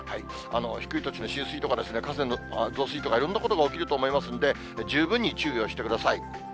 低い土地の浸水とか、河川の増水とか、いろんなことが起きると思いますので、十分に注意をしてください。